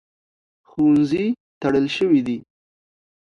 ښوونځي تړل شوي دي.